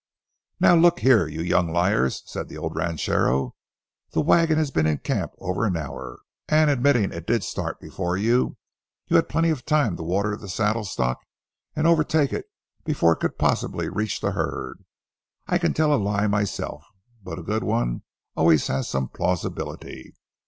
"Now, look here, you young liars," said the old ranchero; "the wagon has been in camp over an hour, and, admitting it did start before you, you had plenty of time to water the saddle stock and overtake it before it could possibly reach the herd. I can tell a lie myself, but a good one always has some plausibility.